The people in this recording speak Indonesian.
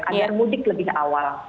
agar mudik lebih awal